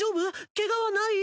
ケガはない？